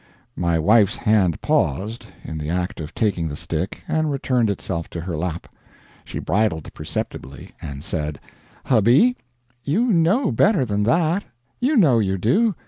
My wife's hand paused, in the act of taking the stick, and returned itself to her lap. She bridled perceptibly, and said: "Hubby, you know better than that. You know you do.